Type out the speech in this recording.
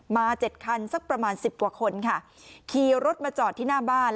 เจ็ดคันสักประมาณสิบกว่าคนค่ะขี่รถมาจอดที่หน้าบ้าน